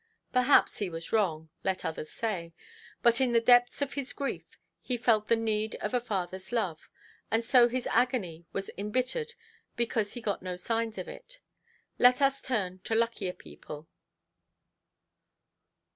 Perhaps he was wrong. Let others say. But in the depths of his grief he felt the need of a fatherʼs love; and so his agony was embittered because he got no signs of it. Let us turn to luckier people.